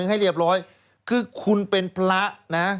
ฮ่า